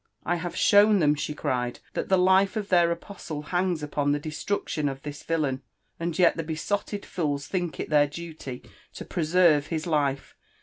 '' I have shown tbem," she cried, "that the Dfeof their apostle hangs opon the destruction of this tillaln, and yet tbe besotted fools think it Iheir duty to preserve his life.